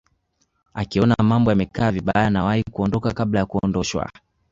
akiona mambo yamekaa vibaya anawahi kuondoka kabla ya kuondoshwa